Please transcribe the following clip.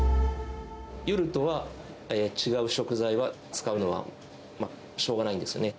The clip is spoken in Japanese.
夜とは違う食材を使うのはしょうがないんですね。